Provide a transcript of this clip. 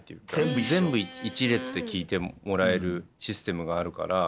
全部一列で聴いてもらえるシステムがあるから。